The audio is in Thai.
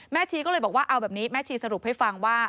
ชีก็เลยบอกว่าเอาแบบนี้แม่ชีสรุปให้ฟังว่า